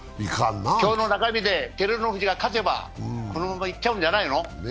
今日の中日で照ノ富士が勝てば、そのままいっちゃうんじゃないの。